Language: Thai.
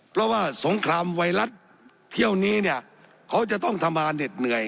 เพราะว่าสงครามไวรัสเที่ยวนี้เนี่ยเขาจะต้องทำงานเหน็ดเหนื่อย